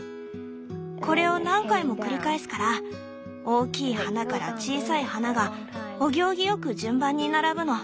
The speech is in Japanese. これを何回も繰り返すから大きい花から小さい花がお行儀良く順番に並ぶの。